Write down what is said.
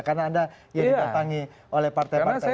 karena anda dipertanggi oleh partai partai